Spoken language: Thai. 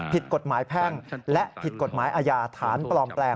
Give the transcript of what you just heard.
ผิดกฎหมายแพ่งและผิดกฎหมายอาญา